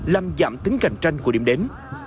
làm giảm tính cạnh tranh của điểm đến